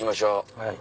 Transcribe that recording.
はい。